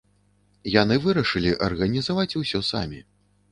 Яны вырашылі арганізаваць усё самі.